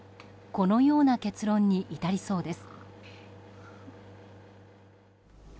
このような結論に至りそうです。